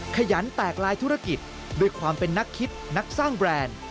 ขยันแตกลายธุรกิจด้วยความเป็นนักคิดนักสร้างแบรนด์